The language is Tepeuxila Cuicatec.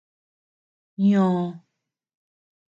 Nòò.